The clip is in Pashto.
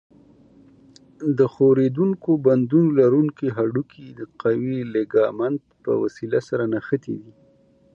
د ښورېدونکو بندونو لرونکي هډوکي د قوي لیګامنت په وسیله سره نښتي دي.